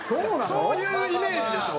そういうイメージでしょ？